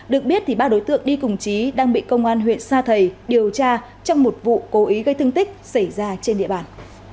được biết ba đối tượng đi cùng trí đang bị công an huyện sa thầy điều tra trong một vụ cố ý gây thương tích xảy ra trên địa bàn